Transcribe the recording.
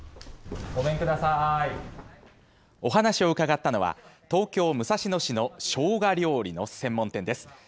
お話を伺ったのは東京武蔵野市のしょうが料理の専門店です。